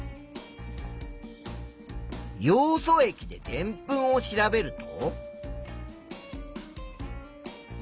ヨウ素液ででんぷんを調べると。